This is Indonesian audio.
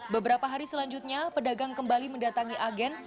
beberapa hari selanjutnya pedagang kembali mendatangi agen